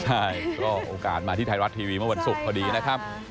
ใช่ก็โอกาสมาที่ไทยรัฐทีวีเมื่อวันศุกร์พอดีนะครับ